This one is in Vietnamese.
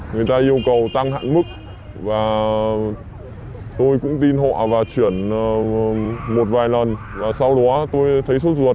người ta yêu cầu tăng hạn mức và tôi cũng tin họ và chuyển một vài lần sau đó tôi thấy sốt ruột